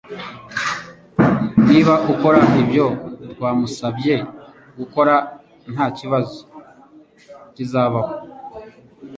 Niba akora ibyo twamusabye gukora ntakibazo kizabaho